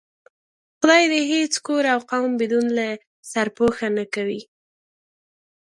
خدا دې هېڅ کور او قوم بدون له سرپوښه نه کوي.